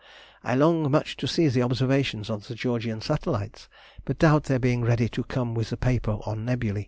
I long much to see the observations on the Georgian satellites, but doubt their being ready to come with the paper on nebulæ.